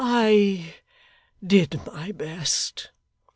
'I did my best.